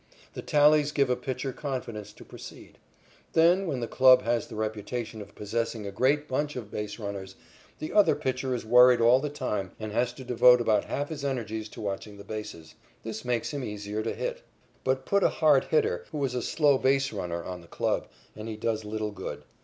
The tallies give a pitcher confidence to proceed. Then, when the club has the reputation of possessing a great bunch of base runners, the other pitcher is worried all the time and has to devote about half his energies to watching the bases. This makes him easier to hit. But put a hard hitter who is a slow base runner on the club, and he does little good.